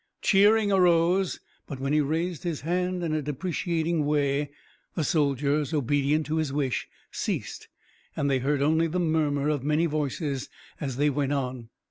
Cheering arose, but when he raised his hand in a deprecating way the soldiers, obedient to his wish, ceased, and they heard only the murmur of many voices, as they went on.